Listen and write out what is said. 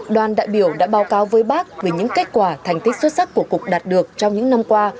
đoàn đại biểu đã báo cáo với bác về những kết quả thành tích xuất sắc của cục đạt được trong những năm qua